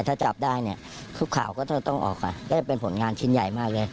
ถ้าจับได้เนี่ยทุกข่าวก็ต้องออกค่ะก็จะเป็นผลงานชิ้นใหญ่มากเลย